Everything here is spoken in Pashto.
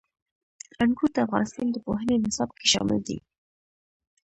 انګور د افغانستان د پوهنې نصاب کې شامل دي.